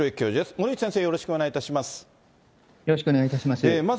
森内先生、よろしくお願いいたします。